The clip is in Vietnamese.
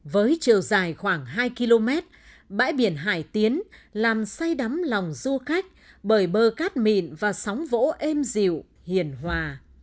với chiều dài khoảng hai km bãi biển hải tiến làm say đắm lòng du khách bởi bơ cát mịn và sóng vỗ êm dịu hiền hòa